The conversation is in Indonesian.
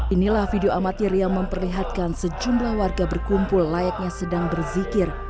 inilah video amatir yang memperlihatkan sejumlah warga berkumpul layaknya sedang berzikir